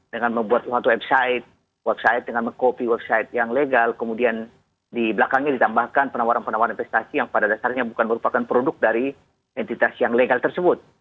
dengan membuat suatu website website dengan meng copy website yang legal kemudian di belakangnya ditambahkan penawaran penawaran investasi yang pada dasarnya bukan merupakan produk dari entitas yang legal tersebut